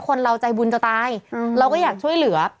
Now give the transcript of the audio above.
คนเราใจบุญจะตายเราก็อยากช่วยเหลือ